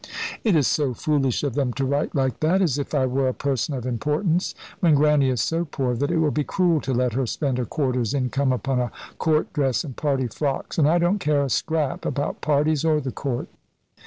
"It is so foolish of them to write like that, as if I were a person of importance; when Grannie is so poor that it will be cruel to let her spend a quarter's income upon a Court dress and party frocks and I don't care a scrap about parties or the Court."